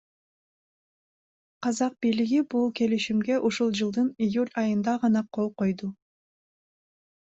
Казак бийлиги бул келишимге ушул жылдын июль айында гана кол койду.